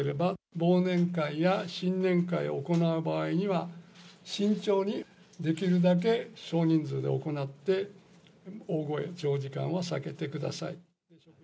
忘年会や新年会を行う場合には、慎重にできるだけ少人数で行って、大声、長時間は避けてください。